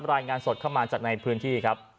รายงานสดเข้ามาจากในพื้นที่ครับ